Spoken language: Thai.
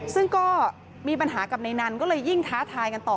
ซึ่งก็มีปัญหากับในนั้นก็เลยยิ่งท้าทายกันต่อ